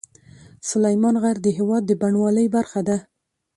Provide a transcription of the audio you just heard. سلیمان غر د هېواد د بڼوالۍ برخه ده.